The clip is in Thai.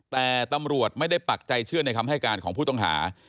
แต่ตำรวจไม่ได้ปักใจเชื่อในคำให้การของผู้ต้องหา